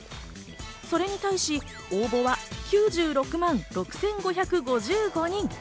それに対し応募は９６万６５５５人。